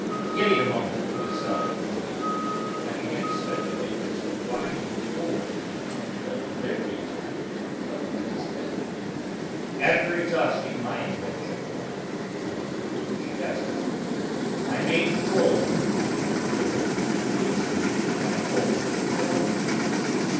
Getting a moment to myself, in the meantime, I began to speculate as to why the boar had come with a liberty cap upon his head. After exhausting my invention with a thousand foolish guesses, I made bold to put the riddle which teased me to my old informant.